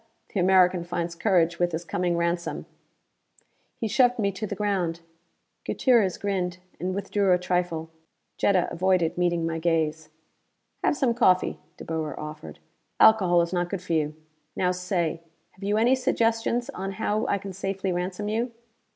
The American finds courage with his coming ransom!" He shoved me to the ground. Gutierrez grinned, and withdrew a trifle. Jetta avoided meeting my gaze. "Have some coffee," De Boer offered. "Alcohol is not good for you. Now say: have you any suggestions on how I can safely ransom you?"